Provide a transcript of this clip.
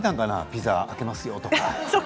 ピザがありますよとか。